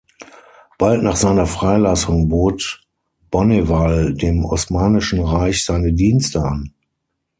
Bald nach seiner Freilassung bot Bonneval dem Osmanischen Reich seine Dienste an.